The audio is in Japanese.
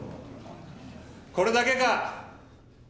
これだけか！